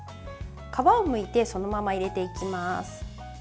皮をむいてそのまま入れていきます。